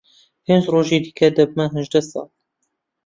پێنج ڕۆژی دیکە دەبمە هەژدە ساڵ.